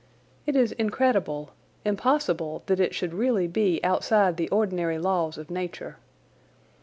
It is incredible, impossible, that it should really be outside the ordinary laws of nature.